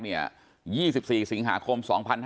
๒๔สิงหาคม๒๕๕๙